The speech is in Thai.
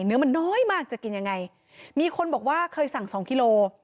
เนื้อมันน้อยมากจะกินยังไงมีคนบอกว่าเคยสั่งสองกิโล